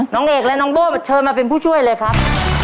น้องเอกและน้องโบ้เชิญมาเป็นผู้ช่วยเลยครับ